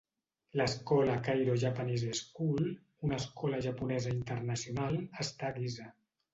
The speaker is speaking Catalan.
L'escola Cairo Japanese School, una escola japonesa internacional, està a Giza.